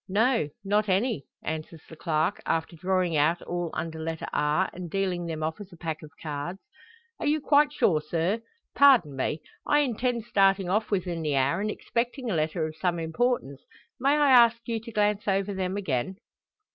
"No, not any," answers the clerk, after drawing out all under letter R, and dealing them off as a pack of cards. "Are you quite sure, sir? Pardon me. I intend starting off within the hour, and expecting a letter of some importance, may I ask you to glance over them again?"